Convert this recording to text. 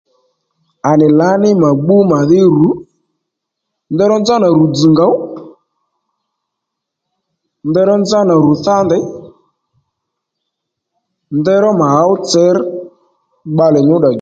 À nì lǎní mà gbú màdhí ru ndèyró nzánà rù dzz̀ ngǒ ndèyró nzánà ru thá ndèy ndèyró mà ɦów tsěr bbalè nyú dda djò